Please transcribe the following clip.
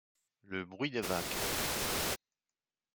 Le bruit des vagues.